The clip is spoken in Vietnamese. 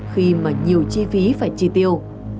khi mà nhiều chi phí phải chi tiêu